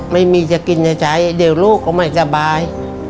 ไม่มีจะกินจะใช้เดี๋ยวลูกก็ไม่สบาย